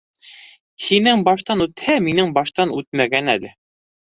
— Һинең баштан үтһә, минең баштан үтмәгән әле.